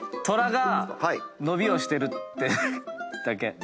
トラが伸びをしてるってだけ。